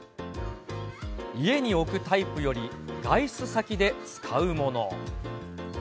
家に置くタイプより外出先で使うもの。